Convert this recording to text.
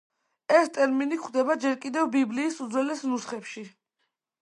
ეს ტერმინი გვხვდება ჯერ კიდევ ბიბლიის უძველეს ნუსხებში.